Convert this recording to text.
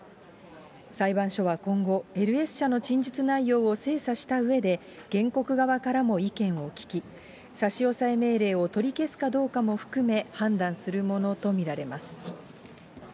裁判所は今後、ＬＳ社の陳述内容を精査したうえで、原告側からも意見を聞き、差し押さえ命令を取り消すかどうかも含め判断するものと見られます。